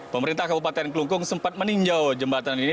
pemerintah kabupaten klungkung sempat meninjau jembatan ini